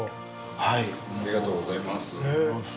ありがとうございます。